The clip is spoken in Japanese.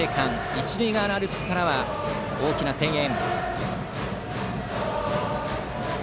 一塁側のアルプスからは大きな声援。